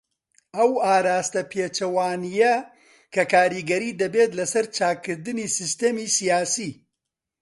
ئەو ئاراستە پێچەوانیە کە کاریگەری دەبێت لەسەر چاکردنی سیستەمی سیاسی.